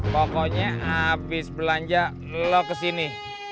pokoknya abis belanja lo kesini